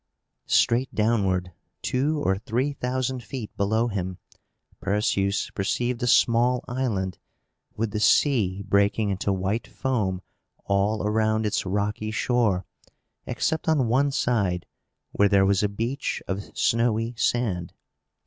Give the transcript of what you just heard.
Straight downward, two or three thousand feet below him, Perseus perceived a small island, with the sea breaking into white foam all around its rocky shore, except on one side, where there was a beach of snowy sand.